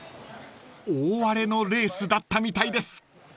［大荒れのレースだったみたいです］